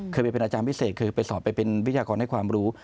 เคยไปเป็นอาจารย์พิเศษคือไปสอบไปเป็นวิชากรให้ความรู้